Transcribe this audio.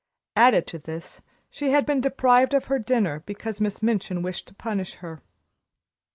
Added to this, she had been deprived of her dinner, because Miss Minchin wished to punish her.